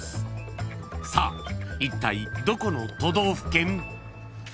［さあいったいどこの都道府県？］